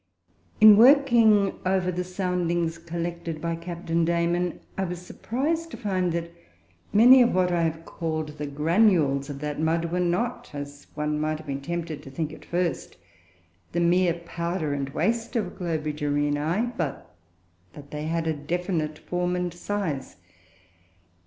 In working over the soundings collected by Captain Dayman, I was surprised to find that many of what I have called the "granules" of that mud were not, as one might have been tempted to think at first, the more powder and waste of Globigerinoe, but that they had a definite form and size.